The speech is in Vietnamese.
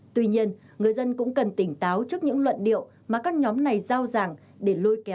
tuy nhiên người dân cũng cần tỉnh táo trước những luận điệu mà các nhóm này giao ràng để lôi kéo dụ lừa người dân tham gia